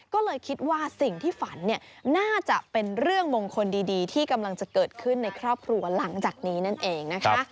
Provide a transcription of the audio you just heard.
ก็เลยคิดว่าสิ่งที่ฝันเนี่ยน่าจะเป็นเรื่องมงคลดีที่กำลังจะเกิดขึ้นในครอบครัวหลังจากนี้นั่นเองนะคะ